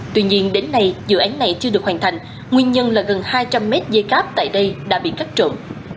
tuy nhiên đến nay dự án này chưa được hoàn thành nguyên nhân là gần hai trăm linh mét dây cáp tại đây đã bị cắt trộn